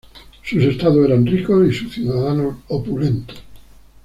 Sus estados eran ricos y sus ciudadanos opulentos.